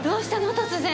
突然。